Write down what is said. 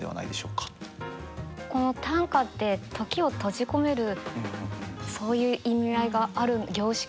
この短歌って時を閉じ込めるそういう意味合いがある凝縮。